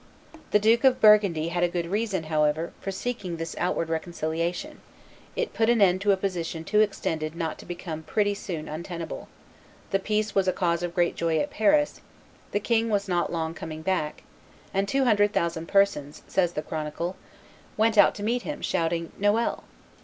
The Duke of Burgundy had good reason, however, for seeking this outward reconciliation; it put an end to a position too extended not to become pretty soon untenable; the peace was a cause of great joy at Paris; the king was not long coming back; and two hundred thousand persons, says the chronicle, went out to meet him, shouting, "Noel!"